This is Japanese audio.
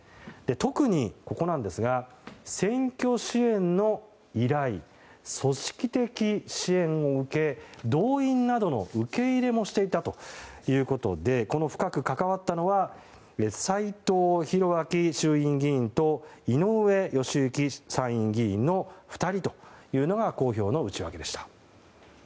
特に、選挙支援の依頼組織的支援を受け動員などの受け入れもしていたということで深く関わったのは斎藤洋明衆院議員と井上義行参院議員の２人というのが公表の内訳でした。